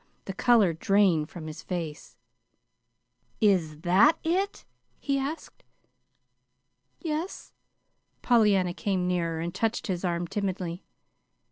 The color drained from his face. "Is that it?" he asked. "Yes." Pollyanna came nearer, and touched his arm timidly.